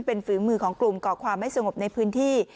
เป็นฝีมือของกลุ่มก่อความไม่สงบในพื้นที่